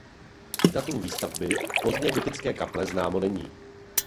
Datum výstavby pozdně gotické kaple známo není.